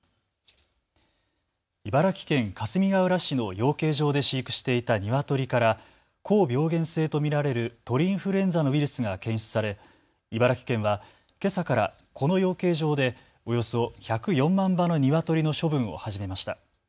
茨城県かすみがうら市の養鶏場で飼育していたニワトリから高病原性と見られる鳥インフルエンザのウイルスが検出され茨城県はけさからこの養鶏場でおよそ１０４万羽のニワトリの処分を始めました。